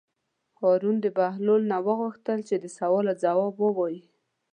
هارون د بهلول نه وغوښتل چې د سوال ځواب ووایي.